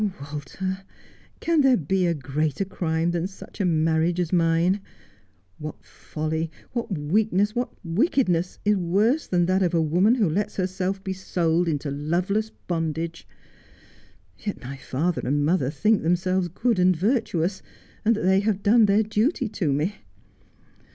Oh, Walter, can there be a greater crime than such a marriage as mine ? What folly, what weakness, what wickedness is worse than that of a woman who lets her self be sold into loveless bondage ! Yet my father and mother think themselves good and virtuous, and that they have done their dutv to me.